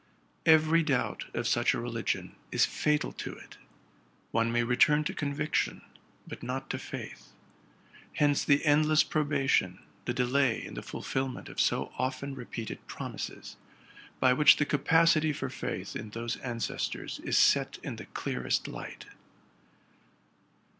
Every doubt of such a religion is fatal to it. One may return to conviction, but not to faith. Hence the endless probation, the delay in the fulfilment of so often repeated promises, by which the 'apacity for faith in those ancestors is set in the clearest light.